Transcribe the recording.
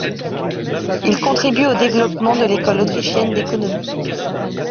Il contribue au développement de l'école autrichienne d’économie.